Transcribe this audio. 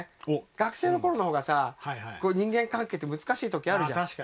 学生のころのほうが人間関係って難しい時あるじゃん。